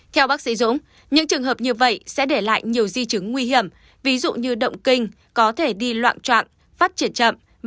theo bác sĩ dũng những trường hợp như vậy sẽ để lại nhiều di chứng nguy hiểm ví dụ như động kinh có thể đi loạn trạng phát triển chậm